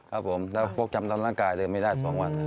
ครับผมแล้วพวกจำตามร่างกายเลยไม่ได้๒วัน